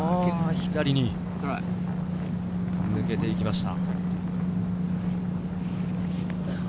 左に抜けていきました。